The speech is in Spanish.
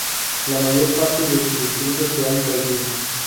La mayor parte de sus escritos se han perdido.